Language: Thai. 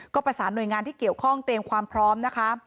ก็ประสานหน่วยงานที่เกี่ยวข้องเตรียมความพร้อมนะคะ